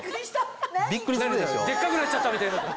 でっかくなっちゃった！みたいな。